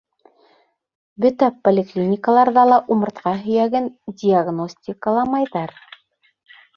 — Бөтә поликлиникаларҙа ла умыртҡа һөйәген диагностикаламайҙар.